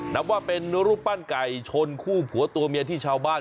นับว่าเป็นรูปปั้นไก่ชนคู่ผัวตัวเมียที่ชาวบ้าน